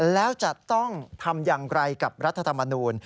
แล้วจะต้องทำอย่างไรกับรัฐธรรมนูล